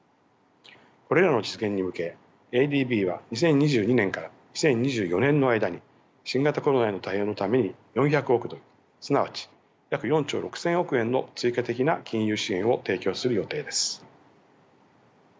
これらの実現に向けＡＤＢは２０２２年から２０２４年の間に新型コロナへの対応のために４００億ドルすなわち約４兆６，０００億円の追加的な金融支援を提供する予定です。